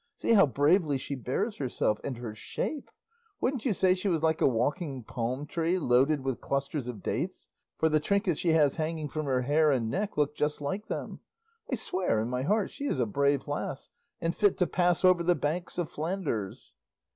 See how bravely she bears herself and her shape! Wouldn't you say she was like a walking palm tree loaded with clusters of dates? for the trinkets she has hanging from her hair and neck look just like them. I swear in my heart she is a brave lass, and fit 'to pass over the banks of Flanders.